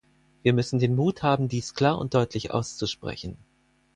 Wir müssen den Mut haben, dies klar und deutlich auszusprechen.